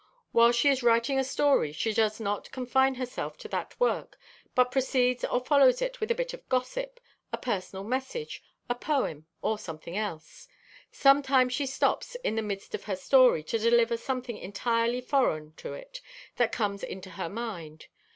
While she is writing a story she does not confine herself to that work, but precedes or follows it with a bit of gossip, a personal message, a poem or something else. Sometimes she stops in the midst of her story to deliver something entirely foreign to it that comes into her mind.